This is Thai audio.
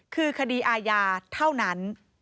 คือคดีอาญาเท่านั้น